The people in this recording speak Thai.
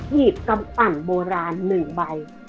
หีบกำปั่นโบราณ๑ใบ